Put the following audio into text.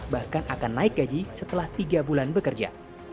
bahkan akan naik gaji setelah tiga bulan bekerja